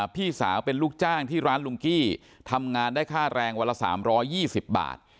พี่สาวเป็นลูกจ้างที่ร้านลุงกี้ทำงานได้ค่าแรงวันละ๓๒๐บาท